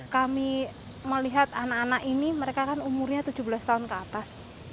kami melihat anak anak ini mereka kan umurnya tujuh belas tahun ke atas